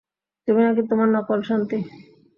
তুমি নাকি তোমার নকল শান্তি?